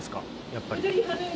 やっぱり。